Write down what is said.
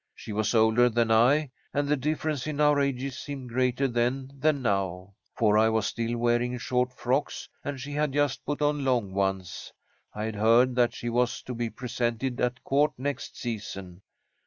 She was older than I, and the difference in our ages seemed greater then than now, for I was still wearing short frocks, and she had just put on long ones. I had heard that she was to be presented at court next season.